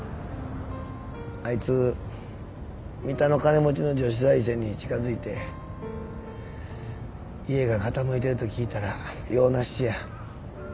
あいつ三田の金持ちの女子大生に近づいて家が傾いてると聞いたら用なしや。